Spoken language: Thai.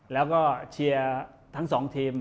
แล้วก็แชร์ทั้งสองทีม